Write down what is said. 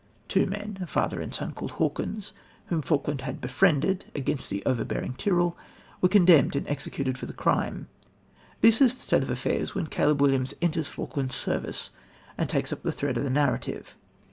Two men a father and son called Hawkins whom Falkland had befriended against the overbearing Tyrrel, were condemned and executed for the crime. This is the state of affairs when Caleb Williams enters Falkland's service and takes up the thread of the narrative.